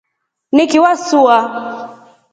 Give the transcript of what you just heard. Nikili wasua.